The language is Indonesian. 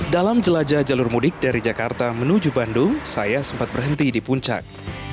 dalam jelajah jalur mudik dari jakarta menuju bandung saya sempat berhenti di puncak